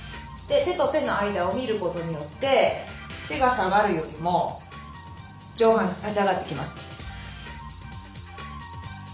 で手と手の間を見ることによって手が下がるよりも上半身立ち上がってきますので。